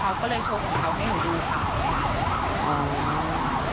เขาก็เลยโชว์ของเขาให้หนูดูค่ะ